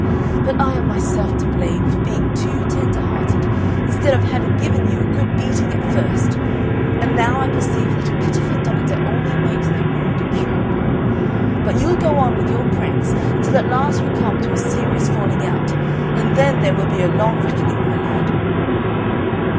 But I am myself to blame, for being too tender hearted, instead of having given you a good beating at first; and now I perceive that a pitiful doctor only makes the wound incurable. But you'll go on with your pranks until at last we come to a serious falling out, and then there will be a long reckoning, my lad!"